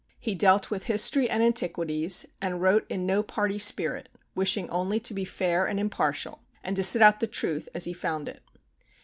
He dealt with history and antiquities, and wrote in no party spirit, wishing only to be fair and impartial, and to set out the truth as he found it.